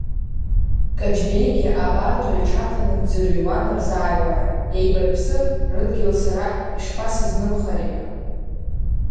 Каҷбеигьы абардра иҽаҭаны дӡырҩуан рзааигәара, еибарԥсыр рыдгьыл сара ишԥасызнымхари ҳәа.